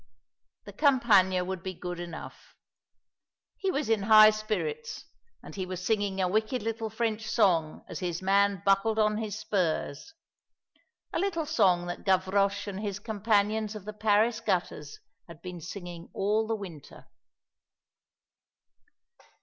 The Campagna would be good enough. He was in high spirits, and he was singing a wicked little French song as his man buckled on his spurs, a little song that Gavroche and his companions of the Paris gutters had been singing all the winter.